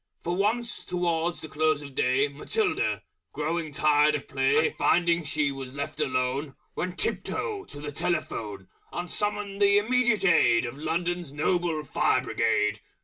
For once, towards the Close of Day, Matilda, growing tired of play, And finding she was left alone, Went tiptoe to the Telephone And summoned the Immediate Aid Of London's Noble Fire Brigade.